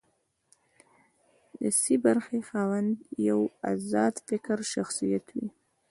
د سي برخې خاوند یو ازاد فکره شخصیت وي.